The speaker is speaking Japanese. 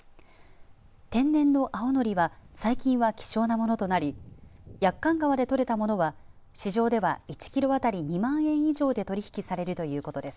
天然の青のりは最近は希少なものとなり駅館川で取れたものは市場では１キロ当たり２万円以上で取引されるということです。